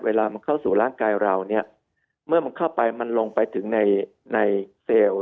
เวลามันเข้าสู่ร่างกายเราเนี่ยเมื่อมันเข้าไปมันลงไปถึงในเซลล์